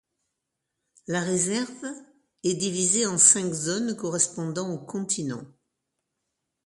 La réserve est divisée en cinq zones correspondant aux continents.